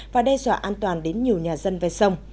và đe dọa an toàn đến nhiều nhà dân về sông